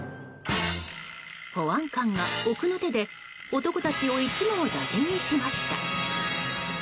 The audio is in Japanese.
保安官が奥の手で男たちを一網打尽にしました。